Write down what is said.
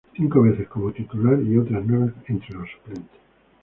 Cinco veces como Titular y otras nueve entre los suplentes.